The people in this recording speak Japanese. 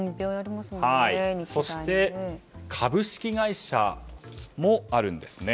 そして、株式会社もあるんです。